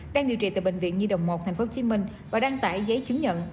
đang điều trị tại bệnh viện nhi đồng một tp hcm và đăng tải giấy chứng nhận